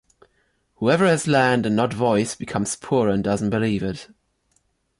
Whoever has land and not voice, becomes poor and doesn’t believe it.